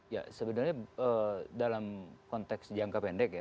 ya sebenarnya dalam konteks jangka pendek ya